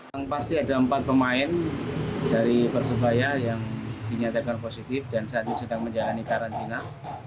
yang pasti ada empat pemain dari persebaya yang dinyatakan positif dan saat ini sedang menjalani karantina